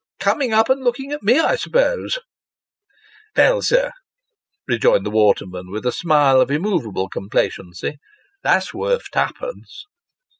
Coming up and looking at me, I suppose ?"" Veil, sir," rejoined the waterman, with a smile of immovable complacency, " That's worth twopence."